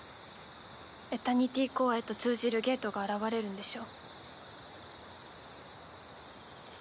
エタニティコアへと通じるゲートが現れるんでしょ？